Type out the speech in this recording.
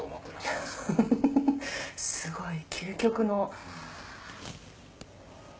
すごい究極の。